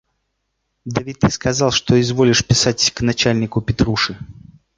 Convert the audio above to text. – Да ведь ты сказал, что изволишь писать к начальнику Петруши.